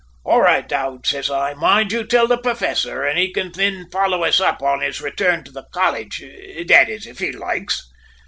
"`All right, O'Dowd,' says I. `Mind you till the professor, an' he can thin follow us up on his return to the college that is, if he loikes!'